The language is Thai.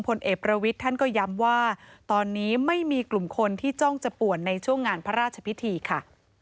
พลเอกประวิทย์ท่านก็ย้ำว่าตอนนี้ไม่มีกลุ่มคนที่จ้องจะป่วนในช่วงงานพระราชพิธีค่ะ